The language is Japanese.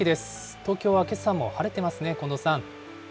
東京はけさも晴れてますね、近藤さん。